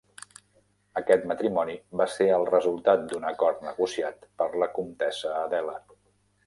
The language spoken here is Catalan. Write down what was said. Aquest matrimoni va ser el resultat d'un acord negociat per la comtessa Adela.